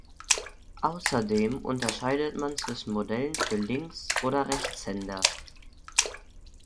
Außerdem unterscheidet man zwischen Modellen für Links- oder Rechtshänder.